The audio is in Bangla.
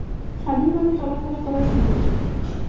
স্বাধীনভাবে চলাফেরা করার সুযোগ।